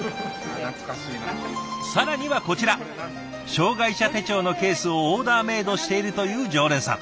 更にはこちら障害者手帳のケースをオーダーメードしているという常連さん。